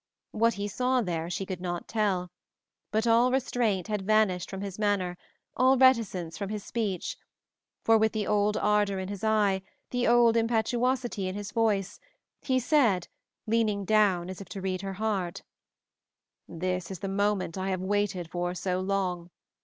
What he saw there she could not tell, but all restraint had vanished from his manner, all reticence from his speech, for with the old ardor in his eye, the old impetuosity in his voice, he said, leaning down as if to read her heart, "This is the moment I have waited for so long.